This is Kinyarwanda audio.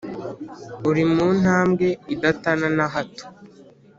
uri mu ntambwe idatana na hato